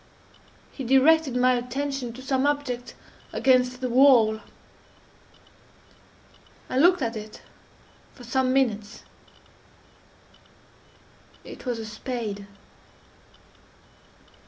He directed my attention to some object against the wall. I looked at it for some minutes: it was a spade.